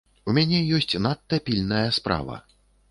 У мяне ёсць надта пільная справа.